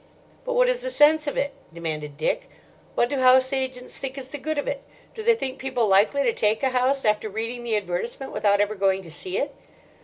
"But what is the sense of it?" demanded Dick. "What do house agents think is the good of it? Do they think people likely to take a house after reading the advertisement without ever going to see it?"